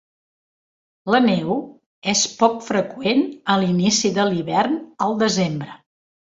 La neu és poc freqüent a l'inici de l'hivern, al desembre.